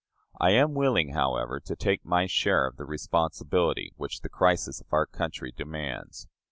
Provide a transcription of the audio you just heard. I am willing, however, to take my share of the responsibility which the crisis of our country demands.